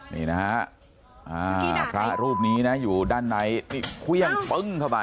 นี่นะฮะพระรูปนี้นะอยู่ด้านในนี่เครื่องปึ้งเข้าไป